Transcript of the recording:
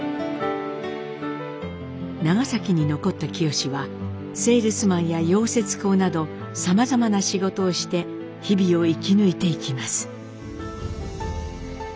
長崎に残った清はセールスマンや溶接工などさまざまな仕事をして日々を生き抜いていきます。